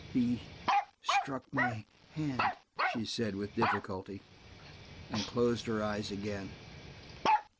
"He–struck my–hand," she said with difficulty, and closed her eyes again.